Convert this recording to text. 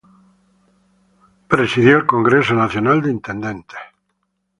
Presidió el Congreso Nacional de Intendentes.